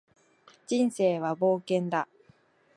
人生は冒険だ